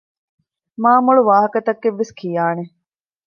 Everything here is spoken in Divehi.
މާމޮޅު ވާހަކަތައްވެސް ކިޔާނެ